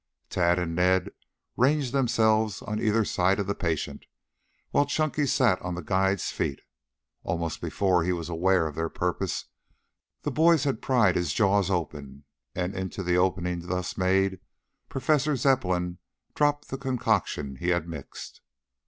Tad and Ned ranged themselves on either side of the patient, while Chunky sat on the guide's feet. Almost before he was aware of their purpose the boys had pried his jaws open and into the opening thus made professor Zepplin dropped the concoction he had mixed.